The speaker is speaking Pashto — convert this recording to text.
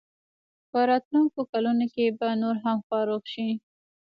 په راتلونکو کلونو کې به نور هم فارغ شي.